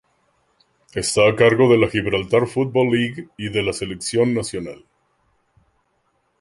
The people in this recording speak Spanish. Está a cargo de la Gibraltar Football League y de la selección nacional.